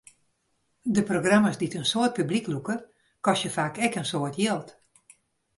De programma's dy't in soad publyk lûke, kostje faak ek in soad jild.